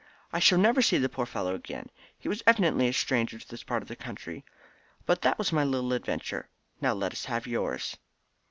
I shall never see the poor fellow again. He was evidently a stranger to this part of the country. But that was my little adventure. Now let us have yours."